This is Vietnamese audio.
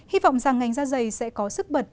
hy vọng rằng ngành da dày sẽ có sức bật